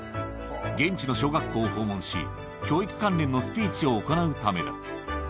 現地の小学校を訪問し、教育関連のスピーチを行うためだ。